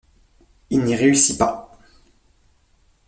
Il n’y réussit pas.